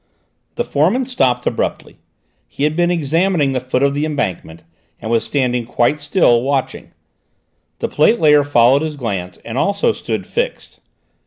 The foreman stopped abruptly; he had been examining the foot of the embankment, and was standing quite still, watching. The plate layer followed his glance, and also stood fixed.